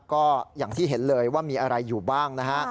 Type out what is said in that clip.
ก็อย่างที่เห็นเลยว่ามีอะไรอยู่บ้างนะฮะ